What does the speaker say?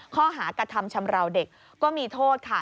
ข้อหากระทำชำราวเด็กก็มีโทษค่ะ